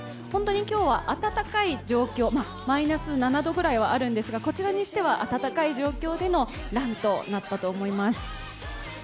今日は暖かい状況、マイナス７度ぐらいではあるのですが、こちらにしては暖かい状況でのランとなったと思います。